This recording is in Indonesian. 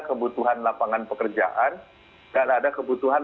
kebutuhan lapangan pekerjaan dan ada kebutuhan